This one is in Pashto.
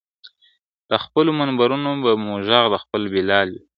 له خپلو منبرونو به مو ږغ د خپل بلال وي !.